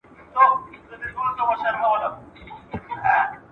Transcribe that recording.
خپل برخلیک پخپله وټاکئ.